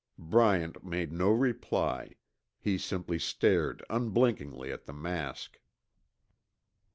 Bryant made no reply. He simply stared unblinkingly at the mask.